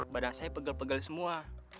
badan saya pegel pegel semua